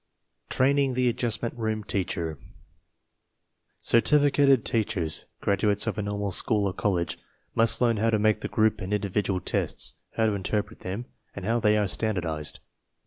TRAINING THE ADJUSTMENT ROOM TEACHER Certificated teachers (graduates of a normal school or college) must learn how to make the group and indi vidual tests, how to interpret them, and how they are standardized.